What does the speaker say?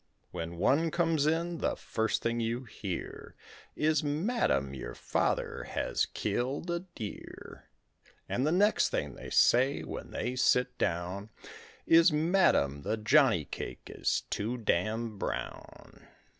When one comes in, the first thing you hear Is, "Madam, your father has killed a deer"; And the next thing they say when they sit down Is, "Madam, the jonny cake is too damned brown."